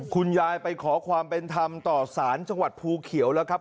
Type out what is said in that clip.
คุณยายไปขอความเป็นธรรมต่อสารจังหวัดภูเขียวแล้วครับ